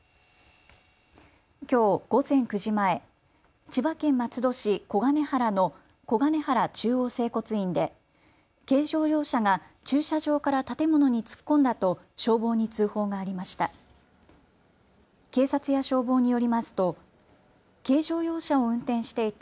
きょう午前９時前、千葉県松戸市小金原の小金原中央整骨院で軽乗用車が駐車場から建物に突っ込んだと消防に通報がありました。